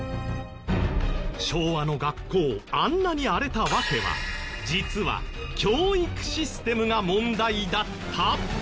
昭和の学校あんなに荒れた訳は実は教育システムが問題だった？